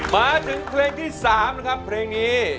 มาถึงเพลงที่๓นะครับเพลงนี้